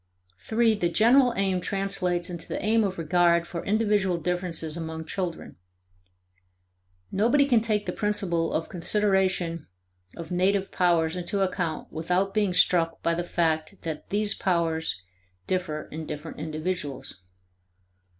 (3) The general aim translates into the aim of regard for individual differences among children. Nobody can take the principle of consideration of native powers into account without being struck by the fact that these powers differ in different individuals.